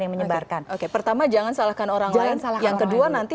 yang menyebarkan oke pertama jangan salahkan orang lain jangan salahkan orang lain yang kedua nanti